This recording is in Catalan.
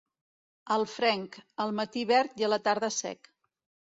El fenc, al matí verd i a la tarda sec.